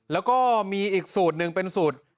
แล้วก็มีอีกสูตรหนึ่งเป็นสูตร